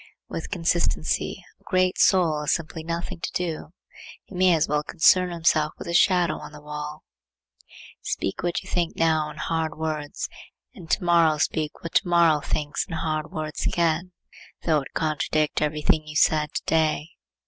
With consistency a great soul has simply nothing to do. He may as well concern himself with his shadow on the wall. Speak what you think now in hard words and to morrow speak what to morrow thinks in hard words again, though it contradict every thing you said to day.